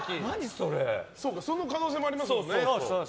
そうかその可能性もありますもんね。